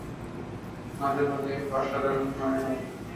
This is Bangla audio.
মাঝেমাঝে অসাধারণ মনে হয়!